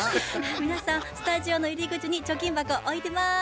皆さんスタジオの入り口に貯金箱置いてます！